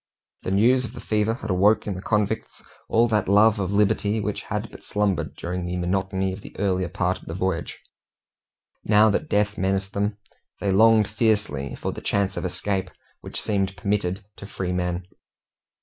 The news of the fever had awoke in the convicts all that love of liberty which had but slumbered during the monotony of the earlier part of the voyage. Now that death menaced them, they longed fiercely for the chance of escape which seemed permitted to freemen.